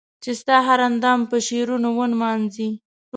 چي ستا هر اندام په شعرونو و مېنځنې